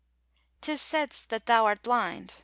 Tis saidst that thou art blind.